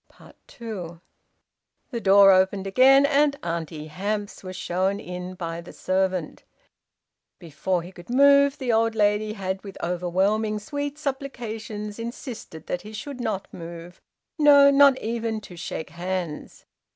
Two. The door opened again, and Auntie Hamps was shown in by the servant. Before he could move the old lady had with overwhelming sweet supplications insisted that he should not move no, not even to shake hands!